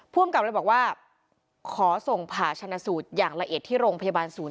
อำกับเลยบอกว่าขอส่งผ่าชนะสูตรอย่างละเอียดที่โรงพยาบาลศูนย